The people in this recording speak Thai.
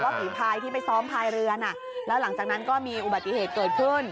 ฝีพายที่ไปซ้อมพายเรือน่ะแล้วหลังจากนั้นก็มีอุบัติเหตุเกิดขึ้น